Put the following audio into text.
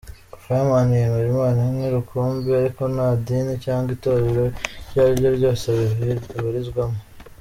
Fireman yemera Imana imwe rukumbi ariko nta dini cyangwa itorero iryo ariryo ryose abarizwamo.